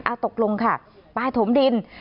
เอ้าตกลงค่ะไปถมดิน